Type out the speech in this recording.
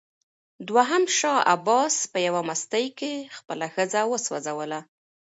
دوهم شاه عباس په یوه مستۍ کې خپله ښځه وسوځوله.